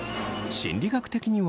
心理学的には。